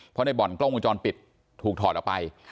เพราะในบ่อนกล้องวงจรปิดถูกถอดออกไป